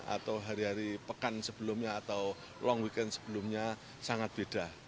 atau hari hari pekan sebelumnya atau long weekend sebelumnya sangat beda